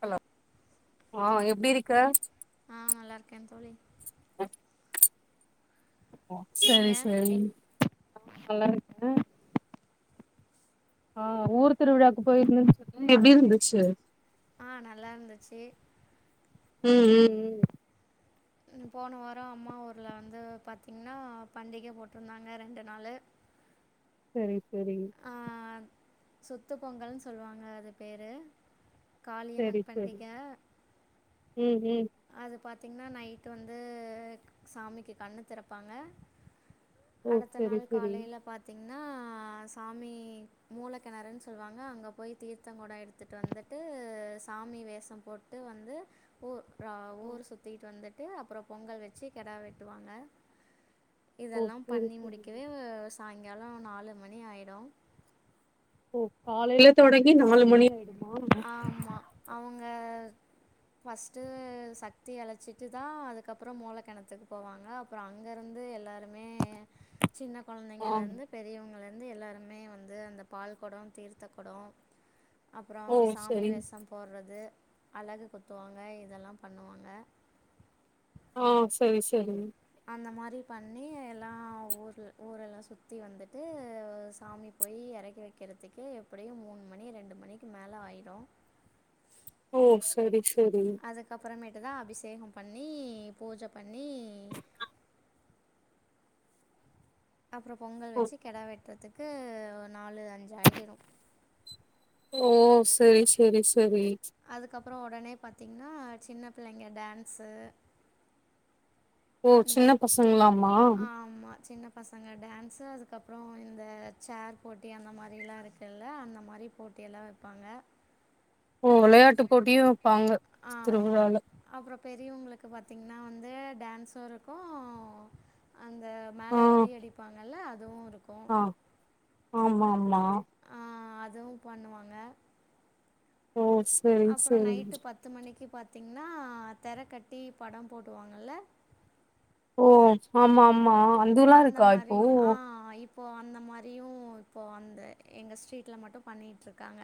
hello ஆ எப்படி இருக்கு ஆ நல்லா இருக்கோன் தோழி நீங்க செரி செரி நல்லா இருக்கு ஆ ஊர் திருவிழாக்கு போயிருந்துன்னு சொன்ன எப்டி இருந்துச்சு ஆ நல்லா இருந்துச்சு ம் ம் ம் போன வாரம் அம்மா ஊர்ல வந்து பாத்தீங்கன்னா பண்டிகை போட்டிருந்தாங்க ரெண்டு நாள்லு சரி சரிங் சொத்து பொங்கல்னு சொல்லுவாங்க அது பேரு சரி காளியம்மன் சரி பண்டிக ம் ம் பாத்தீங்கன்னா நைட்டு் வந்துதூ சாமிக்கு கண்ணு திறப்பாங்க ஓ அடுத்த சரி நாள் சரி காலயிலா பாத்தீங் என்னா சாமி மூளைக்கிணறுன்னு சொல்லுவாங்க அங்கே போய் தீர்த்தங்கூடம் எடுத்துகட்டு வந்துட்டு சாமி வேஷம் போட்டு வந்து ஊர் அ ஊர் சுத்திட்டு வந்து விட்டு அப்பறம் பொங்கல் வச்சு கோடா வெட்டுவாங்க ஓ இதெல்லாம் சரி பண்ணி சரி முடிக்கவே சாய்ங் அங்கேல்லாம் நாலு மணி ஆயிடும் ஓ காலயில தொடங்கி நாளு மணி ஆயிடும் ஆம்மா அவங்க அ ஃபஸ்ட்டு சக்தி அழைச்சிட்டு தான் அதுக்கப்பறம் மூளைக்கிணத்துக்கு போவாங்க அப்புறம்க்ஷ அங்கே இருந்து எல்லாரும் ஏ சின்ன ஆ கெழந்தைங்கல்லோருந்து பெரியவங்க வரைக் வந்து எல்லாருமே வந்து அந்த பால்கெடம் தீர்த்த குடம் அப்புறம் ஓ சாமி சரி வேஷம் போடுறது அழகு குத்துவாங்க இதெல்லாம் பண்ணுவாங்க ஆ செரி செரி அந்த மாரி பண்ணி எல்லாம் ஊர்ல் ஊர எல்லாம் சுற்றி வந்துட்டு சாமி போய் இறக்கி வைக்கிறதுக்கு எப்டியும் மூணு மணி ரெண்டு மணிக்கு மேல ஆயிடும் ஓம் சரி ச செரி அப்பறமேட்டு தான் அபிஷேகம் பண்ணி பூஜை பண்ணி அப்பறம் பொங்கல் ஓ வச்சு கோட வெட் அதுக்கு நாலு அஞ்சு ஆகிடும் ஓ செரி செரி ச செரி அப்புறோ ஒடனே பாத்தீங்கன்னா சின்ன புள்ளைங்க டான்ஸ் ஓ சின்ன பசங்களாமா ஆமாம் சின்ன பசங்க டான்ஸ் அதுக்கப்புறோ இந்த சேர் போட்டி அந்த மாதிரில்லா இருக்குல்ல அந்த மாதிரி போட்டியெல்லா வெப்பாங்க அப்போ வெளையாட்டு போட்டியோ வெப் ஆமா அப்பறோ பெரியவங்களுக்கு பாத் தீங்கன்னா வந்து டான்சோயிருக்கோ அந்த ஆ மேல உரி அடிப்பாங்கல்ல அதுவும் இருக்கும் மா ஆ அதுவோ பண்ணுவாங்க ஓ சேரி சேரிங்க பாத்தீங்கன்னா தெர கட்டி படம் போட்டுவாங்கல ஓ ஆமா ஆமா ஆ அந்துல்லாயிருக்கா இப்போ இப்போ அந்த மாரியும் இப்போ அந்த எங்க ஸ்ட்ரீட்ல மட்டோம் பண்ணிட்டுயிருக்காங்க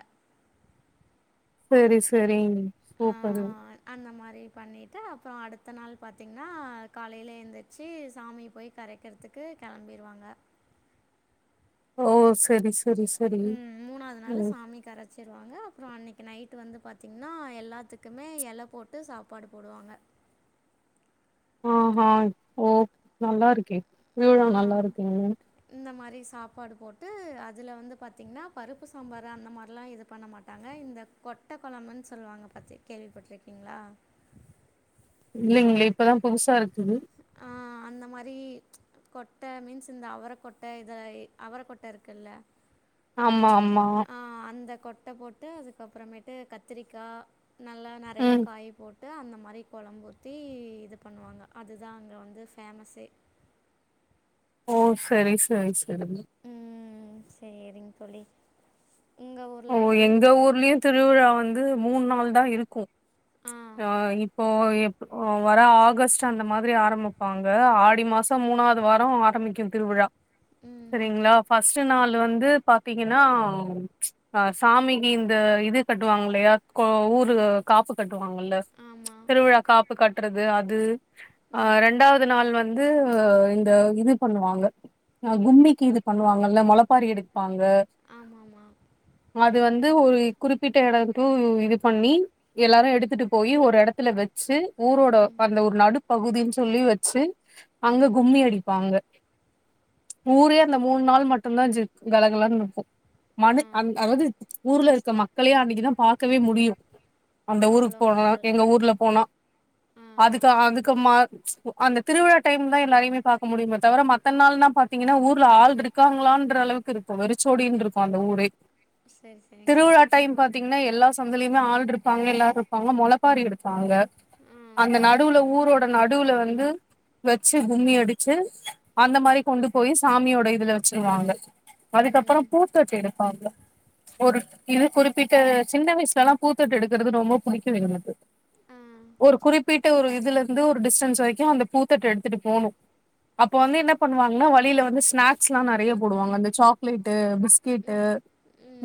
செரி செரிங் சூப்பரு அந்த மாரி பண்ணிட்டு அப்பறோ அடுத்த நாள் பாத்தீங்கன்னா காலயில எந்திரிச்சு சாமி போய் கரைக்குறதுக்கு கெளம்பிருவாங்க ஓ செரி செரி உம் மூணாவது நாளு சாமி கரச்சிருவாங்க அப்புறோ அன்னிக்கு நைட்டு வந்து பார்த்தீங்கன்னா எல்லாத்துக்குமே எல போட்டு சாப்பாடு போடுவாங்க ஆஹா ஓ நல்லாயிருக்கே ஆ திருவிழா நல்லாயிருக்க இந்த மாரி சாப்பாடு போட்டு அதுல வந்து பார்த்தீங்கன்னா பருப்பு சாம்பாரு அந்த மாதிரிலா இது பண்ண மாட்டாங்க இந்த கொட்ட கொழம்புன்னு சொல்லுவாங்க பத்தி கேள்விப்பட்டுயிருக்கீங்களா இல்லங்கலே இப்பதா புதுசாயிருக் ஆ அந்த மாரி கொட்ட மீன்ஸ் இந்த அவர கொட்ட இத அவர கொட்டயிருக்குல்ல ஆமா ஆமா ஆ அந்த கொட்ட போ கூட்டு அதுக்கப்புறமேட்டு கத்திரிக்கா நல்லா நெறைய ம் காய் போட் ட்டு அந்த மாரி கொழம்பூத்தி இது பண்ணுவாங்க அதுதா அங்க வந்து ஃபேமஸே ஓ செரி செரி செரி எறும்பு சேரிங்க தோழி உங்க ஓ ஊர்ல எப்டி எங்க ஊர்லயோ திருவிழா வந்து மூணு நாள்தான் இருக்கோ ஆ இப்போ வர ஆகஸ்ட் அந்த மாதிரி ஆரம்பிப்பாங்க ஆடி மாசோ மூணாவது வாரோ ஆரம்பிக்கோ திருவிழா ம் செரிங்களா ஃபஸ் ச் நாள் வந்து பாத்தீங்ன்னா அ சாமிக்கு இந்த இது கட்டுவாங்கலயா ஊரு காப்பு கட் கட்டுவாங்கல்ல ஆமாம் திருவ்ழா காப்பு காட் த்றது அது ஆ ம் ரெண்டாவது நாள் வந்து இந்த இது பண்ணுவாங்க கும்மிக்கி இது பண்ணுவாங்க இல்ல மொளப்பாரி எடு ஆமா ஆமா அது வந்து ஒரு குறிப்பிட்ட இடதுகு இது பண்ணி எல்லாரும் எடுத்துட்டு போய் ஒரு எடத்துல வச்சி ஊரோட ம் அந்த ஒரு நடுப்பகுதின் துல்லி வச்சி அங்க ம் கும்மி அடிப்பாங்க ஊரே அந்த மூணு நாள் மட்டுதான் சிக் கலகலனு இருக்கு ஆ மனிச் அந் அதாவது ஊர்ல இருக்க மக்களே அன்னக்கிதா பாக்கவே முடியும் அந்த ஊருக்கு அவ்வளோ போகல மக்கள் எங்க ஊர்ல போனா ஆ அதுக்கு அதுக்கு மா அந்த திருழா டைம் தான் எல்லாரையமே பாக்க முடியுமே தவிர மத்த நாள்னா பாத்தீங்கன்னா ஊர்ல ஆள் இருக்காங்களான் அளவுக்கு இருக்கும் வெறிச்சோடனு இருக்கும் அந்த ஊரே சரி சரிங்க திருவுழா தோழி டைம் பாத்தீங்னா எல்லா ஸ் சொந்தலையுமே ஆள் இருப்பாங்க எல்லாரும் இருப்பாங்க முளப்பாரி எடுப்பாங்க ஆ அந்த நடுவுல ஊரோட நடுவுல வந்து வச்சி கும்மி அடிச்சி அந்த மாரி கொண்டு போய் சாமியோட இதுல வச்சிருவாங்க அதுக்கப்பற ம் பூத் தட் எடுப்பாங்க ஒரு இது குறிப்பிட்ட சின்ன வயசுல எல்லா பூத்தட்டு எடுக்கிறது ரொம்ப புடிக்கும் எங்களுக்கு ஆ ஒரு குறிப்பிட் த்த ஒரு இதுல இருந்து ஒரு டிஸ்சன்ஸ் வரக்கி அந்த பூ தட்டு எடுத்துட்டு போனும் அப்ப வந்து என்ன பண்ணுவாங்கன்னா வழியில வந்து ஸ்நாக்ஸ்லா நரயா போடுவாங்க அந்த சாக்லேட்டு பிஸ்கடு ம்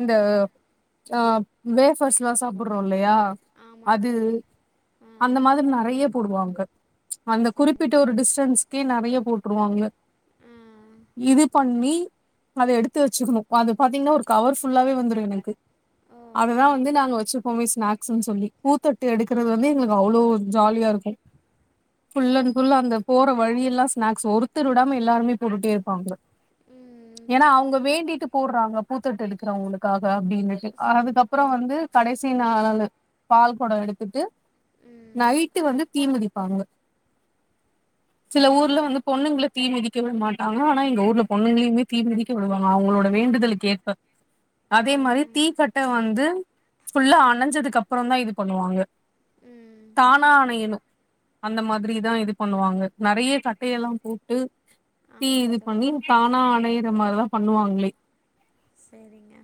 இந்த ஆப் வேஃபர்ஸ்ல்லாம் சாப்றோல இல்லயா ஆமாங்க அது தோழி ஆ அந்த மாதிரி நெறைய போடுவாங்க அந்த குறிபிட்ட சரிங்க ஒரு டிஸ்டன்ஸ் தீ நறய போட்டுருவாங்க ஆ இது பண்ணிஇ அத எடுத்து வச்சுகுணு அது பாத்தீங்னா ஒரு கவர்ஃபுல்லாவே வந்துடும் என்னன்கு ஓ ஆ அததா வந்து நாங்க வச்சுப்போம் விஸ் ஸ்நாக்ஸ்ன்னு சொல்லி பூத்தட்டு ஆ எடுக்குறது வந்து எங்களுக்கு அவ்வளோ ஜாலியா இருக்கும் புல் அண்ட் புல் அந்த போற வழிய எல்லாம் ஸ்நாக்ஸ் ஒருத்தர் வுடாம எல்லாருமே போட்டுட்டே இருப்பாங்க ம் ஏன்னா அவங்க வேண்டிட்டு போடுறாங்க பூத்தட்டுழுிக்றே உங்களுக்காக அப்டின்னுட்டு ஓ அதுக்கப்புறம் வந்து கடைசி நாலூ பால் குடம் எடுத்துட்டு ம் நைட்டு வந்து தீமிதிப்பாங்க சில ஊர்ல சரிங்க வந்து பொண்ணுங்க இப் தீ மிதிக்க விடமாட்டாங்க ஆனா எங்க ஊர்ல பொண்ணுங்களுமே தீ மிதிக்க விடுவாங்க அவங்களோட வேண்டுதலுகேப ஓ அதே மாரி ம் தீக்கட்ட வந்து ஃபுல்லா அணஞ்சதுக்கு அப்பறம் தான் இது பண்ணுவாங்க ம் தானா அணயணும் அந்த மாரிதான் இது பண்ணுவாங்க நிறய கட்டயெல்லாம் போட்டு தீ ஆமாங்க இது தோழி பண்ணி தானா அனயுனும் இந்த மாரிதான் பண்ணுவாங்களே செரிங்க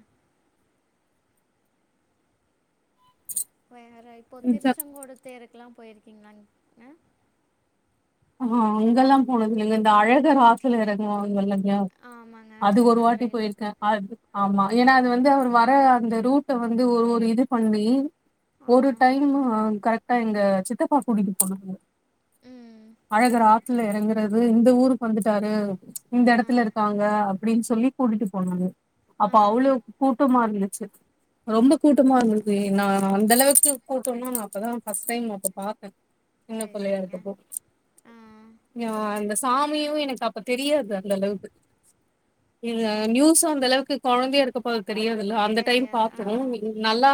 வேற இப்போ இந்த திருச்செங்கோடு தேருக்கெல்லாம் போயிருகே கீங்களா ஆஹ் அங்கெல்லாம் போனதுயில்லங்க அழக அத்துல இறங்குவங்கால ம் ஆமாங்க அது ஒருவாட்டி மதுரையில் போயிருக்கேன் அ ஆமா ஏனா அதுவந்து அவர் வர அந்த ரூட்ட வந்து ஒருஒரு இது பண்ணி ஆ ஒரு டைமு கரெட் எங்க சித்தப்பா கூட்டியிட்டு போனாரு உம் அழகர் ஆத்துல இறங்குறது இந்த ஊருக்கு வந்துட்டாரு இந்த ஆ இடதுல இருக்காங்க அப்டின்னு சொல்லி கூட்டிட்டு போனாரு அப்ப ஆ அவுளே கூட்டமா இருத் ச்சி ரொம்ப கூடமா இருந்துச்சு நான் அந்த அளவுக்கு கூட்டம்னா நான் அப்பதான் ஃபஸ்ட் டைம் அப்ப பாத்தேன் சின்ன சரி புள்ளயா சரிங்க இருக்கப்போ ஆ யா அந்த சாமியும் எனக்கு அப்ப தெரியாது அந்த அளவுக்கு இல்ல சரி நியூஸ் அந்த அளவுக்கு குழந்தயா இருக் இப்ப தெரியாதுல அந்த டைம் தெரியாது ஆ பாத்தூம்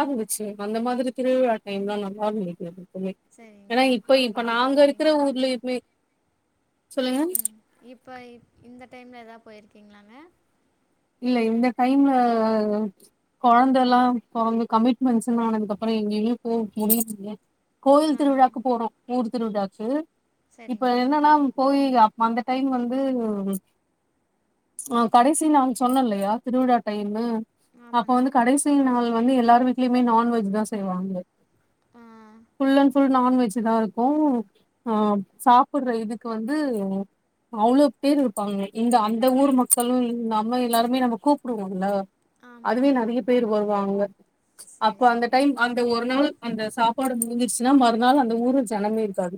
ஆ அந்த மாரி திருவுல டைம் ல நல்லாயிருந்தாது சரிங்க ஏன்னா இப்ப இப்போ இது நாங்க இருக்குற ஊர் பிலிப் பிலி உம் இப்ப இந்த டைம்ல ஏதாவுப் போயிருக்கீங்களாங்க இல்ல இந்த டைம்ல குழந்த எல்லாம் போரந்து கமிட்மெண்ஸ்ன்னு ஆனதுக்கப்பறம் எங்கயுமே போக முடியலங்க கோயில் ஆ திருவிழாக்கு போனோம் ஊர் திருவிழாக்கு இப்ப சரிங்க என்னனா போயி அந்த டைம் வந்து கடசி நாள் சொன்ன இல்லயா திருவிழா டைன்னு அப்ப ஆமாங்க வந்து கடைசி நாள் வந்து எல்லார் வீட்டுலயுமே நான்வெஜ் தான் செய்வாங்க ஆ ஃபுல்ன் புஃல் நான்வெஜ் தான் இருக்கும்ஹ சாப்படுற இதுக்கு வந்து அவ்வளோ பேர் இருப்பாங்க இந்த அந்த ஊர் மக்களும் நம எல்லாருமே நம்ம கூப்பிடுவாங்களல்ல அதுவே ஆமாங்க நெறைய பேர் வருவாங்க அப்ப சரி அந்த சரி டைம் அந்த ஒரு நாள் அந்த சாப்பாடு ச்சுன்னா மறுநாள் அந்த ஊரு ஜனமே இருக்காது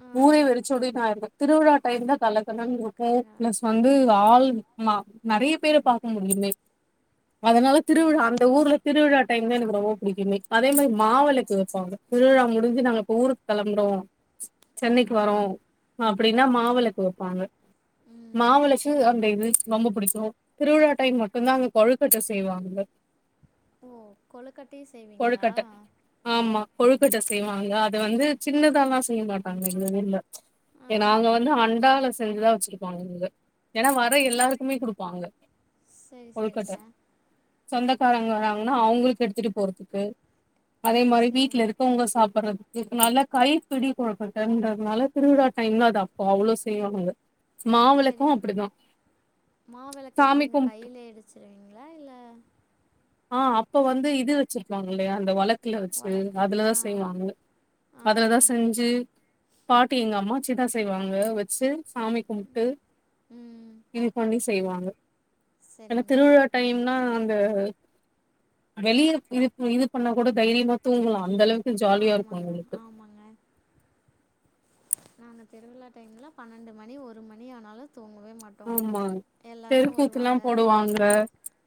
ஆ ஊரே வெறிச்சோட நான் இரு திருவிழா டைம் தான் தல [inaudible] கலகலா பிளஸ் வந்து ஆள் ஆமா நெறைய பேரை பாக்க முடியுமே அதனால திருவிழா சரி அந்த ஊர்ல திருவிழா டைம் தான் எனக்கு ரொம்ப புடிக்குமே அதே மாரி மாவளுக்கு வைப்பாங்க திருவிழா முடிஞ்சு நாங்க போ ஊருக்கு கிளம்புறோம் சென்னைக்கு ஆ வரோம் அப்டின்னா மாவளுக்கு வைப்பாங்க ம் மாவுளச்சு அட இது ரொம்ப புடிக்கும் திருவிழா டைம் மட்டும்தான் அங்க கொழுக்கட்ட செய்வாங்க ஓ கொழுக்கட்டையும் செய்வீங்களா கொழுக்கட்டை ஆமா கொழுக்கட்ட செய்வாங்க அத வந்து சின்னதாலல்லாம் செய்ய மாட்டாங்க எங்க வீட்டுல ஆ ஏ நாங்க வந்து அண்டால செஞ்சுதா வச்சிருப்பாங்க இங்க ஏன்னா வர எல்லாருக்குமே ப்பாங்க செரி செரிங்க சொந்தக்காரங்க வராங்கன்னா அவங்களுக்கு எடுத்துட்டு போறதுக்கு அதே மாரி சரி வீட்டுல இருக்கவங்க சாப்படுறது இதுக்கு நல்ல கை பிடி குழப்ப டைம்ன்றதுனால திருவிழா டைம் தான் அ அப்போ அவ்வளவு செய்யணுங்க மாவுளக்கம் அப்டிதான் மா விளக்கு எப்டிங்க கையிலே இடிச்சிருவீங்களா இல்ல ஆ அப்ப வந்து இது வச்சிருக்கவாங்க இல்லயா அந்த ஒளக் வச்சு ஒலக்கு ஆ அதுலதான் செய்வாங்க ஆ அதுல தான் செஞ்சு பாட்டி எங்க அம்மா ச்சிதா செய்வாங்க வச்சு சாமி கும்பிட்டு ம் இதுபன்னி செய்வாங்க ஏன்னா சரிங்க திருவிழா டைம்னா [unintelligible] வெளியே இது இது பண்ணா கூட தைரியமா தூங்கலும் அந்த அளவுக்கு ஜாலியா இருக்கு ஆமாங்க உங்களுக்கு ஆமாங்க நான் அ திருவிழா டைமில் பன்னெண்டு மணி ஒரு மணி ஆனாலும் தூங்கவே மாட்டோம் ஆமா எல்லாரும் வருவாங்க தெருக்கூத்துல்லாம் போடுவாங்க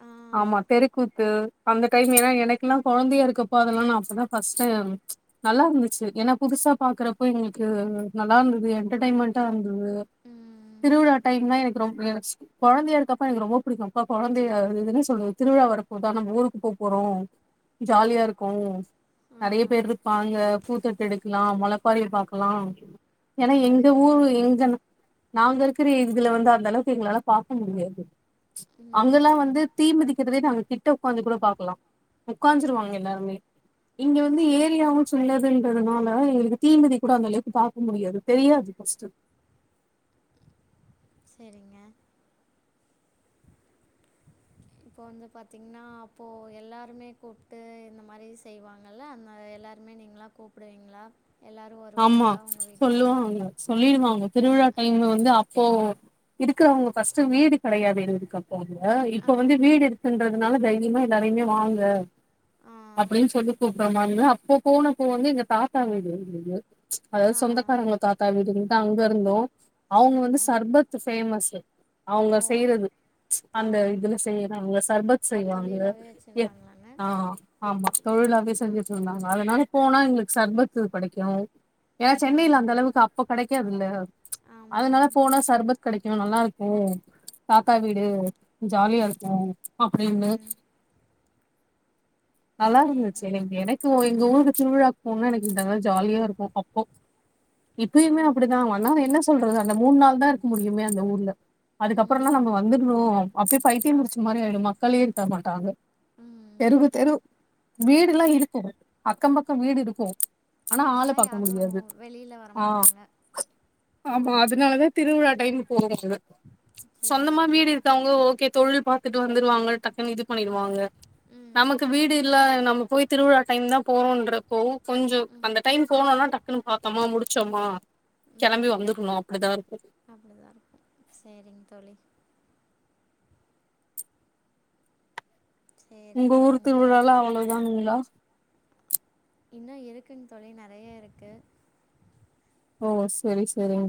ஆ ஆமா தெருக்கூத்து அந்த டைம் ஏன்னா எனக்குல்லாம் கொழந்தையா இருக்கப்போ அதெல்லாம் நா அப்பதான் ஃபர்ஸ்ட் டைம் நல்லா இருந்துச்சு ஏன்னா புதுசா பாகறப்போ எங்களுக்கு நல்லா இருந்தது என்டர்டைன்மெண்டா இருந்த ம் திருவிழாட் டைம் தான் எனக்கு ரொ கொழந்தையா இருக்கப்ப எனக்கு ரொம்ப பிடிக்கும் அப்ப கொழந்தைய இதுன்னே சொல்லுது திருவிழா வரபோது நம்ம ஊருக்கு போ போறோம் ஜாலியா இருக்கும் ஆ நிறைய பேர் இருப்பாங்க பூத்தட்டு எடுக்கலாம் மொல மாரி பாக்கலாம் ஏன்னா எங்க அதுக்குன்னு ஊரு எங்கஜனம் நாங்க இருக்கற ஏரி இதுல வந்து அந்த அளவுக்கு எங்களால பாக்க முடியாது ம் அங்கல்லாம் வந்து தீமிதிக்கிறதுவே நாங்க கிட்ட உட்காந்து கூட பாக்லாம் உக்காஞ்சுருவாங்க எல்லாருமே இங்க வந்து சரி ஏரியாவும் சின்னது துனால எங்களுக்கு தீமதி கூட அந்த அளவுக்கு பாக்க முடியாது தெரியாது ஃபர்ஸ்ட் செரிங்க இப்போ வந்து பார்த்தீங்ன்னா அப்போ எல்லாருமே கூப்ட்டு இந்த மாரி செய்வாங்கல்ல அந்த எல்லாருமே நீங்களாம் கூப்டுவீங்களா ஆமா சொல்லுவாங்க சொல்லிடுவாங்க திருவிழா டைம்ல வந்து இப்ப இருக்கறவங்க ஃபர்ஸ்ட்ட் வீடு கெடையாது இருக்க இப்ப ஆ வந்து வீடு இருக்ன்றது அதனால தைரியமா எல்லாரையுமே வாங்க ஆ அப்படின்னு சொல்லி கூப் அப்பறமானு அப்போ போனப்போ வந்து எங்க தாத்தா வீடு இருந்தது அதாவது ஆ சொந்தக்காரங்க தாத்தா வீடுன்னு தங்க இருந்தோம் அவங்க சரிங்க வந்து சர்பத் ஃபேமஸ் அவங்க ஓ செய்றது ஆ அந்த இதுல செய்றாங்க சர்பத் செய்வாங்க தொழிலாகவே வச்சுருந்தாங்களாங்க ஆஹ் ஆமா தொழிலாவே ம் செஞ்சுட்டு இருந்தாங்க அதனால போனா எங்களுக்கு சர்பத்து கெடைக்கும் ஏன்னா ஆ சென்னையில அந்த அளவுக்கு அப்போ கிடைக்காதுல்ல ஆமாங்க அதனால போனா சர்பத் கெடைக் இங்க நல்லா இருக்கும் தாத்தா வீடு ஜாலியா இருக்கும் அப்படின்னு ம் நல்லா இருந்துச்சு சரிங்க நீங்க எனக்கு எங்க ஊருக்கு திருவிழாக்கு போனா எனக்கு இதான் ஜாலியா இருக்கும் [inaudible] இப்பயுமே ஆமாங்க அப்படிதான் வந்தாவேணும்னா சுத்தி சொல்றது அந்த மூணு நாள் தான் இருக்க முடியுே அந்த ஊர்ல அதுக்கப்பறம்ல்லாம் ம் நம்ம வந்துடுவோம் அப்டியே பைத்தியம் முடிச்ச மாரி அப்படிங்களா மக்களே இருக்க மாட்டாங்க ம் தெருவு தெரு வீடு எல்லாம் இருக்கும் அக்கம் பக்கம் வீடு இருக்கும் ஆனா ஆள் ஆனால் பக்க யாரும் முடியாது வெளியில் வர ஆ மாட்டாங்க ஆமா அதனாலதான் திருவிழா டைமுக்கு போறோம் [inaudible] சரி சொந்தமா வீடு சரிங்க இருக்கவங்க ஓகே தொழில் பாத்துட்டு வந்துருவாங்க டக்குன்னு இது பண்ணிடுவாங்க ம் நமக்கு வீடு இல்ல நமக்கு போய் திருவிழா டைம் தான் போகறோன்றப்போ கொஞ்ச ம் அந்த டைம் போனோனா டக்குன்னு பாத்தோமா முடிச்சோமா கிளம்பி ம் வந்துரனும் அப்டிதான் இருக்கும் அப்படிதான் இருக்கும் சரிங்க தோழி உங்க சரிங்க ஊர் உங்கள் திருவிழால அவ்ளவுதானங்களா இன்னும் இருக்குக தோலி றறறனறைய இருக்கு ஓ செரி-செரிங்க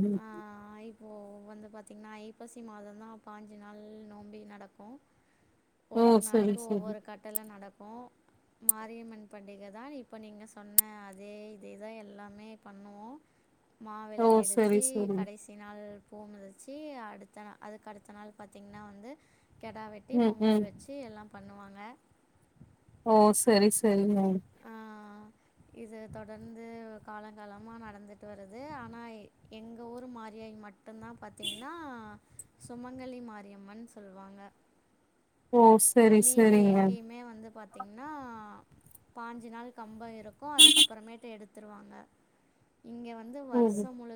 இப்போ வந்து பாத்தீங்கன்னா ஐப்சி மாதம் தான் பாஞ்சு நாள் நோம்பே நடக்கும் ஓ ஒவ்வொரு சரி நாளைக்கும் சரி ஒவ்வொரு கட்டல்ல நடக்கும் மாரியம்மன் பண்டிகை தான் இப்ப நீங்க சொன்ன அதே இததுதான் எல்லாமே பண்ணுவோம் மா ஓ விளக்கு எடுத்து சரி சி சரி கடைசி நாள் பூ மிதிச்சி அடுத்த நா அதுக்கு அடுத்த நாள் பாத்தீங்கன்னா வந்து கிடா வெட்டி ம் பொங்கல் ம் வச்சு எல்லாம் பண்ணுவாங்க [unintelligible] ஓ செரி செரி [inaudible] இது தொடர்ந்து காலங்காலமா நடந்துட்டு வருது ஆனா எங்க ஊர் மாரியாயை மட்டும் தான் பாத்தீங்கன்னா சுமங்கலி மாரியம்மன் சொல்லுவாங்க ஓ சரி மீதி சரிங்க எங்கேயுமே வந்து பாத்த பாத்தீங்கன்னா பாஞ்சு நாள் கம்பம் இருக்கும் அதுக்கப்பறமேட்டு எடுத்துருவாங்க இங்க வந்து ம் வருசம் முழு